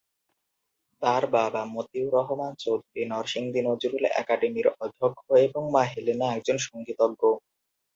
তার বাবা মতিউর রহমান চৌধুরী নরসিংদী নজরুল একাডেমির অধ্যক্ষ এবং মা হেলেনা একজন সঙ্গীতজ্ঞ।